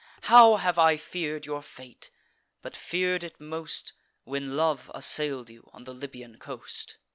How have I fear'd your fate! but fear'd it most, When love assail'd you, on the Libyan coast."